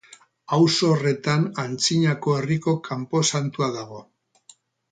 Auzo horretan antzinako herriko kanposantua dago.